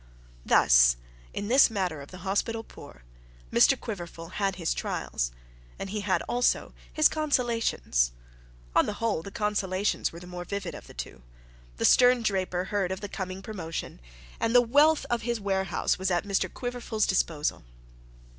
Thus in this matter of the hospital poor Mr Quiverful had his trials; and he had also his consolations. On the whole the consolations were the more vivid of the two. The stern draper heard of the coming promotion, and the wealth of his warehouse was at Mr Quiverful's disposal.